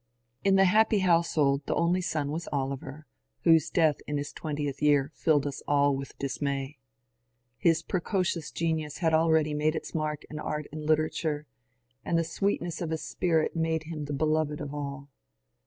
In the happy household the only son was Oliver, whose death in his twentieth year filled us all with dismay. His pre cocious genius had already made its mark in art and litera FORD MADOX BROWN 136 tare, and the sweetness of his spirit made him the beloved of all.